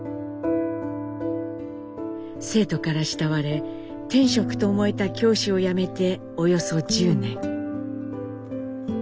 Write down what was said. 生徒から慕われ天職と思えた教師を辞めておよそ１０年。